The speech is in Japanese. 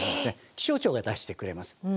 気象庁が出してくれます。